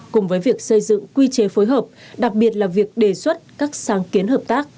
cùng với việc xây dựng quy chế phối hợp đặc biệt là việc đề xuất các sáng kiến hợp tác